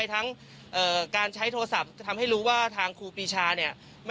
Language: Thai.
ทางสารชั้นต้นได้ยกฟ้องตอนนี้กันค่ะ